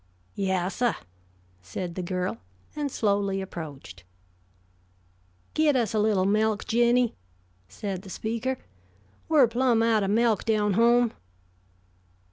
"Yessah," said the girl, and slowly approached. "Get us a little melk, Jinny," said the speaker. "We're plumb out o' melk down home."